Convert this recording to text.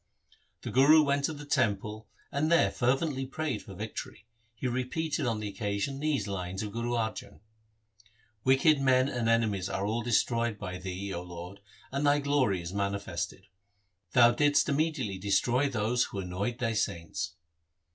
The Guru went to the temple and there fervently prayed for victory. He repeated on the occasion these lines, of Guru Arjan :— Wicked men and enemies are all destroyed by Thee, 0 Lord, and Thy glory is manifested. Thou didst immediately destroy those who annoyed Thy saints.